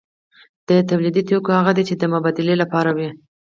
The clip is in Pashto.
د تولید توکي هغه دي چې د مبادلې لپاره وي.